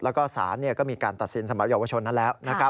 แล้วก็ศาลก็มีการตัดสินสมัยเยาวชนนั้นแล้ว